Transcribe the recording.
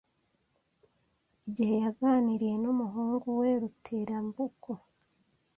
IGIHE yaganiriye n’umuhungu we Ruterambuku